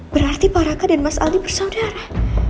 berarti pak raka dan mas aldi bersaudara